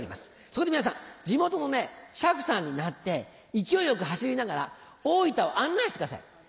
そこで皆さん地元の車夫さんになって勢いよく走りながら大分を案内してください。